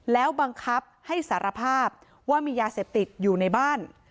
แล้วบังคับให้สารภาพว่ามียาเสพติดอยู่ในบ้าน